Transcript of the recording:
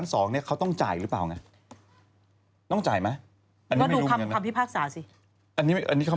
แต่ผมกำลังถงสัยว่าแล้วนะครับวิวัลส์ค่ะ